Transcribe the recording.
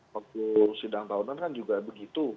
waktu sidang tahunan kan juga begitu